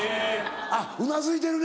あっうなずいてるね。